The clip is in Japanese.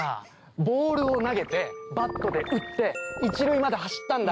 ボールを投げてバットで打って１塁まで走ったんだ。